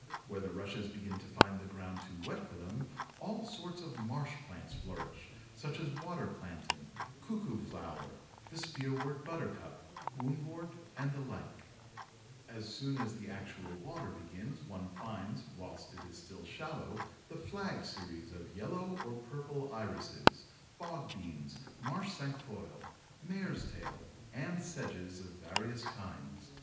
Where the Rushes begin to find the ground too wet for them, all sorts of marsh plants flourish, such as Water Plantain, Cuckoo flower, the Spearwort Buttercup, Woundwort, and the like. As soon as the actual water begins, one finds, whilst it is still shallow, the Flag series of yellow or purple Irises, Bogbeans, Marsh Cinquefoil, Mare's Tail, and Sedges of various kinds.